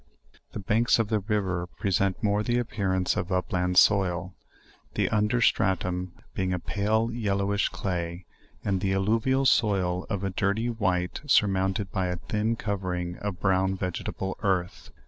The banks of the river present more the appearance of up* hud fioil a the under, statum being a pale yellowish clay, apd LEWIS AND CLARKE. 191 the alluv.inl soil of a dirty white, surmounted by a thin cov ering of a brown vegetable earth.